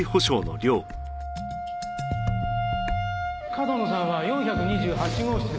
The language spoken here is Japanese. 上遠野さんは４２８号室です。